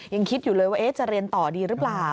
ยังคิดอยู่เลยว่าจะเรียนต่อดีหรือเปล่า